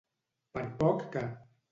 Per poc que.